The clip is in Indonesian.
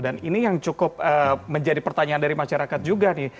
dan ini yang cukup menjadi pertanyaan dari masyarakat juga nih